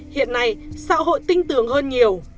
hiện nay xã hội tinh tưởng hơn nhiều